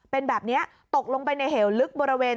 เป็นแบบนี้ตกลงไปในเหวลึกบริเวณ